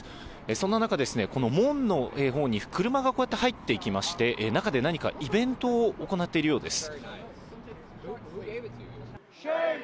そんな中、この門のほうに車がこうやって入っていきまして、中で何かイベントを行っているようです。